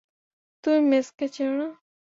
তুমি মেসকে চেনোনা।